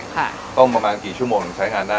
ค่ะต้องประมาณกี่ชั่วโมงใช้งานได้